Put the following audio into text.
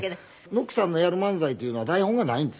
ノックさんのやる漫才っていうのは台本がないんですね。